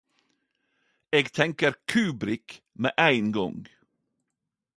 Eg tenker Kubrick med ei gong.